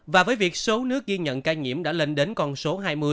và với việc số nước ghi nhận ca nhiễm đã lên đến con số hai mươi